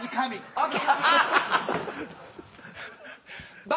ＯＫ！